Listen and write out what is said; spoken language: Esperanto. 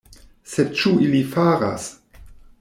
Sed ĉu ili faras?